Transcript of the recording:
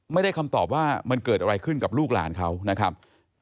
ไม่ได้คำตอบว่ามันเกิดอะไรขึ้นกับลูกหลานเขานะครับ